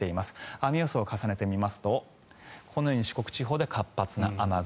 雨予想を重ねてみますとこのように四国地方で活発な雨雲。